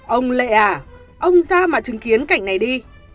ông lệ à ông ra mà chứng kiến cảnh này đi